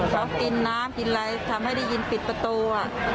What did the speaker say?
เขากินน้ำกินอะไรทำให้ได้ยินปิดประตู